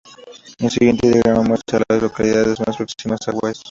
El siguiente diagrama muestra a las localidades más próximas a Wise.